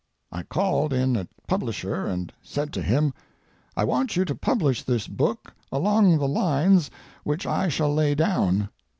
I called in a publisher and said to him: "I want you to publish this book along lines which I shall lay down.